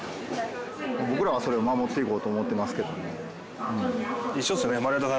僕らはそれを守っていこうと思ってますけどね。